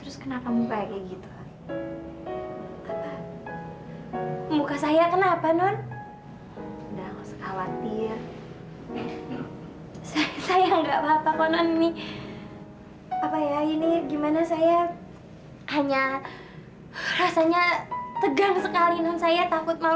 sampai jumpa di video selanjutnya